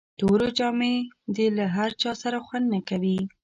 توري جامي د له هر چا سره خوند نه کوي.